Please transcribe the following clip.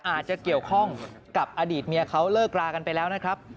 อาจจะเกี่ยวข้องกับอดีตเมียเขาเลิกรากันไปแล้วนะครับ